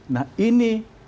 nah ini bukan peristiwa